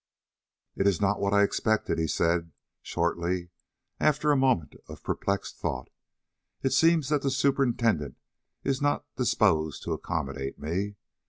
"It is not what I expected," he said, shortly, after a moment of perplexed thought. "It seems that the superintendent is not disposed to accommodate me."